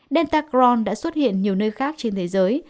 delta cron đã xuất hiện nhiều nơi khác trên thế giới